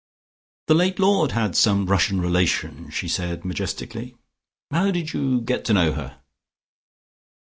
"The late lord had some Russian relations," she said majestically. "How did you get to know her?"